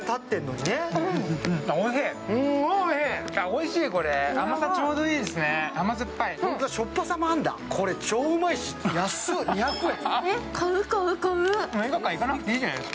おいしい、甘さちょうどいいですね、甘酸っぱい。